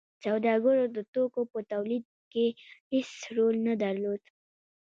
سوداګرو د توکو په تولید کې هیڅ رول نه درلود.